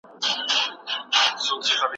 دا کتاب په افغانستان کي ډېر مینه وال لري.